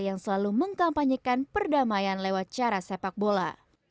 yang selalu mengkampanyekan perdamaian lewat cara sepak bola